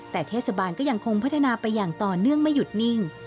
แต่เทศบาลก็ยังคงพัฒนาไปอย่างต่อเนื่องไม่หยุดนิ่ง